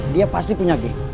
dia pasti punya geng